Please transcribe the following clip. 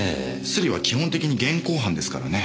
スリは基本的に現行犯ですからね。